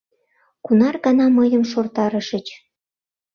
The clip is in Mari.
— Кунар гана мыйым шортарышыч.